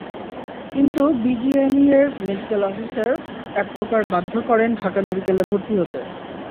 কিন্তু বিজিএমইএর medical officer একপ্রকার বাধ্য করেন ঢাকা মেডিকেলে ভর্তি হতে।